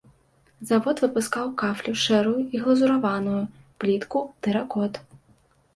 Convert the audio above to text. Завод выпускаў кафлю шэрую і глазураваную, плітку, тэракот.